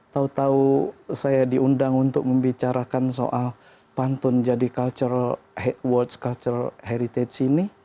tau tau saya diundang untuk membicarakan soal pantun jadi cultural heritage ini